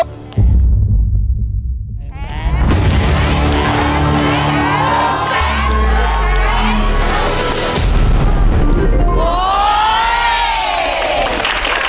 เย้